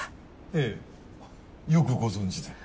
ええよくご存じで。